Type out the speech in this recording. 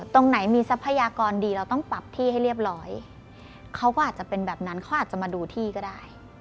ตรงไหนมีทรัพยากรดีเราต้องปรับที่ให้เรียบร้อยเขาก็อาจจะเป็นแบบนั้นเขาอาจจะมาดูที่ก็ได้